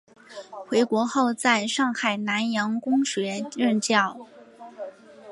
回国后在上海南洋公学任教。